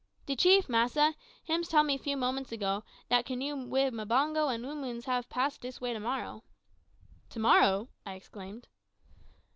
"De chief, massa, hims tell me few moments ago dat canoe wid Mbango and oomans hab pass dis way to morrow." "To morrow!" I exclaimed.